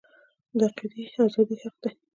د عقیدې ازادي حق دی